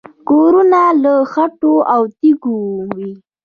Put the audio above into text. کورونه له خټو او تیږو وو